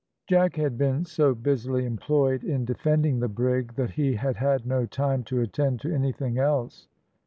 Jack had been so busily employed in defending the brig, that he had had no time to attend to anything else.